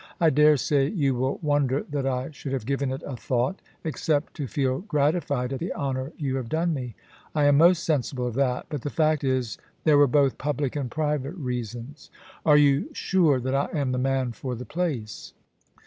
I dare say you will wonder that I should have given it a thought, except to feel gratified at the honour you have done me. I am most sensible of that ; but the fact is, there were both io6 POLICY AND PASSION. public and private reasons. Are you sure that I am the man for the place